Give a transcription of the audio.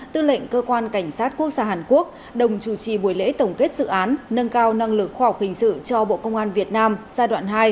tư lệnh cơ quan cảnh sát quốc gia hàn quốc đồng chủ trì buổi lễ tổng kết dự án nâng cao năng lực khoa học hình sự cho bộ công an việt nam giai đoạn hai